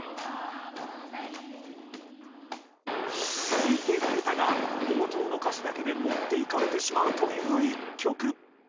続いて古田が冒頭の歌詞だけで持っていかれてしまうという１曲。